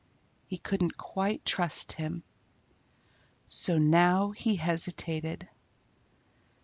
He couldn't quite trust him. So now he hesitated.